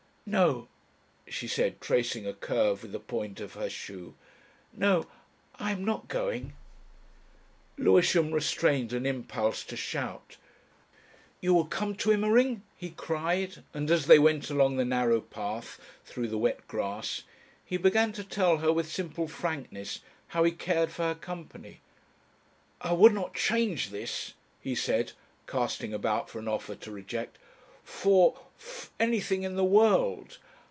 "No," she said, tracing a curve with the point of her shoe. "No. I am not going." Lewisham restrained an impulse to shout. "You will come to Immering?" he cried, and as they went along the narrow path through the wet grass, he began to tell her with simple frankness how he cared for her company, "I would not change this," he said, casting about for an offer to reject, "for anything in the world....